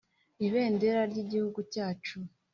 Ibendera ry’ igihugu cyacu